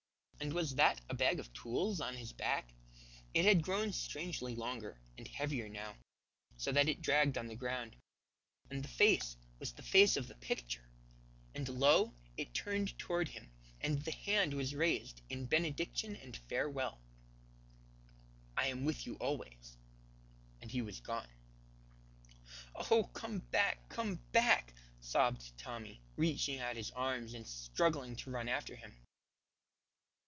And was that a bag of tools on his back? It had grown strangely longer and heavier now, so that it dragged on the ground, and the face was the face of the Picture, and lo, it turned toward him, and the hand was raised in benediction and farewell, "I am with you always," and he was gone. "Oh! come back, come back," sobbed Tommy, reaching out his arms and struggling to run after him.